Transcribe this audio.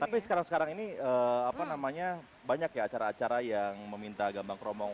tapi sekarang sekarang ini apa namanya banyak ya acara acara yang meminta gambang kromong